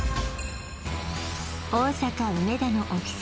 大阪梅田のオフィス